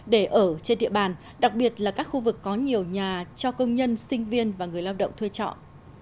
để ở trên địa bàn đặc biệt là các khu vực có nhiều nhà cho công nhân sinh viên và người lao động thuê chọn